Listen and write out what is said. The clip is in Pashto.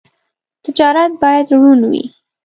تجارت باید روڼ وي.